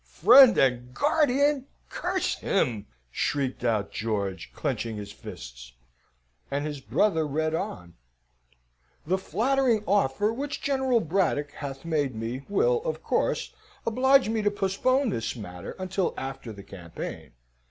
"Friend and guardian! Curse him!" shrieked out George, clenching his fists and his brother read on: "... The flattering offer which General Braddock hath made me, will, of course, oblige me to postpone this matter until after the campaign.